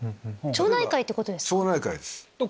町内会ってことですか。